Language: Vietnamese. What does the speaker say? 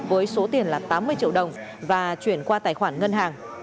với số tiền là tám mươi triệu đồng và chuyển qua tài khoản ngân hàng